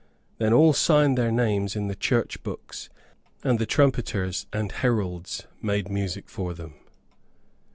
Then all signed their names in the church books, and the trumpeters and heralds made music for them.